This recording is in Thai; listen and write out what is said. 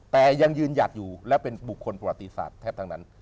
แต่ยังยืนหยัดอยู่และเป็นบุคคลประวัติศาสตร์แทบทั้งนั้น